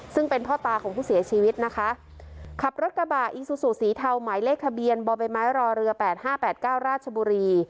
ซึ่งเป็นพ่อตาของผู้เสียชีวิตนะคะขับรถกระบะอีซูซูสีเทาหมายเลขทะเบียนบ่อใบไม้รอเรือแปดห้าแปดเก้าราชบุรี